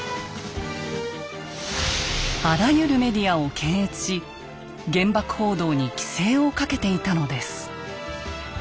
あらゆるメディアを検閲し原爆報道に規制をかけていたのです。